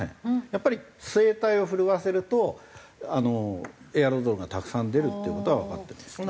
やっぱり声帯を震わせるとエアロゾルがたくさん出るっていう事はわかってるんです。